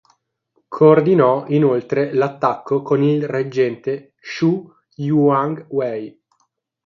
Coordinò inoltre l'attacco con il reggente Shu Jiang Wei.